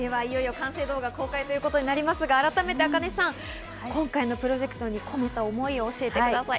完成動画、いよいよ公開ということで改めてａｋａｎｅさん、今回のプロジェクトに込めた思いを教えてください。